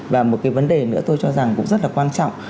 và một cái vấn đề nữa tôi cho rằng cũng rất là quan trọng